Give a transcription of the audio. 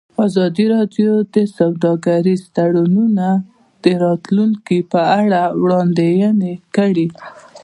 ازادي راډیو د سوداګریز تړونونه د راتلونکې په اړه وړاندوینې کړې.